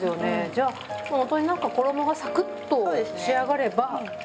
じゃあもう本当になんか衣がサクッと仕上がれば。